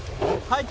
はい。